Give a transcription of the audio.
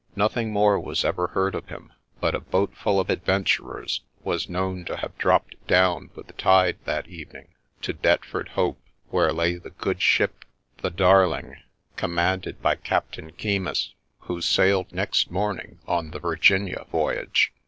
Nothing more was ever heard of him ; but a boat full of adventurers was known to have dropped down with the tide that evening to Deptford Hope, where lay the good ship the Darling, commanded by Captain Keymis, who sailed next morn ing on the Virginia voyage.